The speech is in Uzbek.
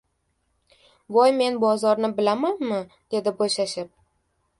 — Voy, men bozorni bilamanmi? — dedi bo‘shashib.